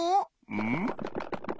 うん？